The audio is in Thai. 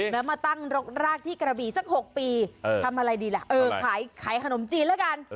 แล้วมาตั้งรกรากที่กระบีสัก๖ปีทำอะไรดีล่ะเออขายขนมจีนแล้วกัน